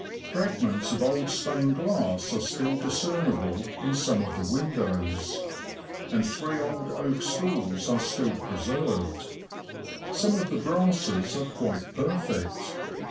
Fragments of old stained glass are still discernible in some of the windows, and three old oak stalls are still preserved. Some of the brasses are quite perfect.